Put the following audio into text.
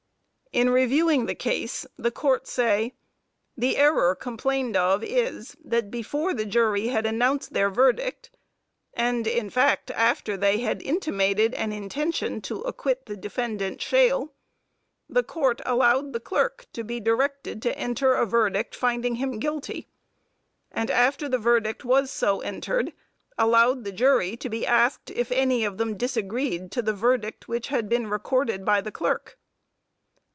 In reviewing the case the Court say: "The error complained of is, that before the jury had announced their verdict, and in fact after they had intimated an intention to acquit the defendant, Shule, the Court allowed the clerk to be directed to enter a verdict finding him guilty, and after the verdict was so entered, allowed the jury to be asked if any of them disagreed to the verdict which had been recorded by the clerk.